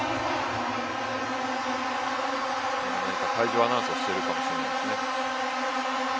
何か会場アナウンスしているかもしれないですね。